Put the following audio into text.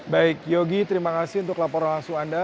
baik yogi terima kasih untuk laporan langsung anda